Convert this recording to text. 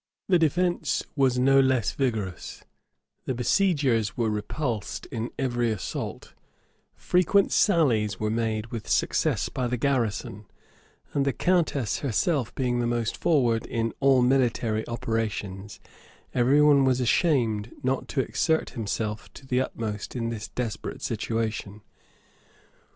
The defence was no less vigorous: the besiegers were repulsed in every assault: frequent sallies were made with success by the garrison; and the countess herself being the most forward in all military operations, every one was ashamed not to exert himself to the utmost in this desperate situation.